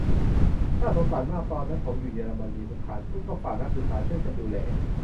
น่าสงสารมาก : ตอนนั้นผมอยู่เยอรมนี สถานทูตก็ฝากนักศึกษาช่วยกันดูแล